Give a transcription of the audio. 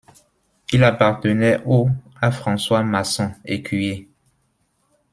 Il appartenait, au à François Masson, écuyer.